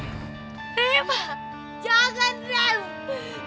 eh emang jangan res